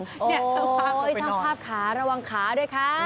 นี่ช่างภาพเข้าไปนอนช่างภาพขาระวังขาด้วยค่ะ